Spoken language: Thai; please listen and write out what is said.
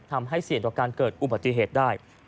ทำให้เสี่ยงต่อการเกิดอุบัติเหตุได้